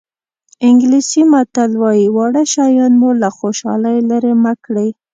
انګلیسي متل وایي واړه شیان مو له خوشحالۍ لرې مه کړي.